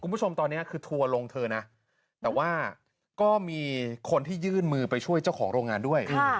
คุณผู้ชมตอนนี้คือทัวร์ลงเธอนะแต่ว่าก็มีคนที่ยื่นมือไปช่วยเจ้าของโรงงานด้วย